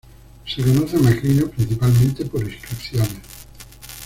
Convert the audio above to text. Se conoce a Macrino principalmente por inscripciones.